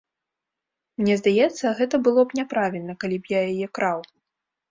Мне здаецца, гэта было б няправільна, калі б я яе краў.